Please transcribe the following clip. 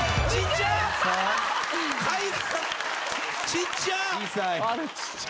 ちっちゃ！